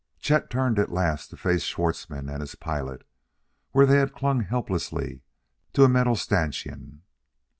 Chet turned at last to face Schwartzmann and his pilot where they had clung helplessly to a metal stanchion.